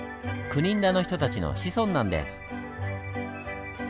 久米村の人たちの子孫なんです。